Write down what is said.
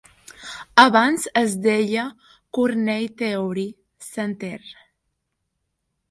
Abans es deia Cornell Theory Center.